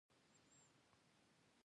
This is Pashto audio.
دا مبحث باید په درېیو کچو مطالعه شي.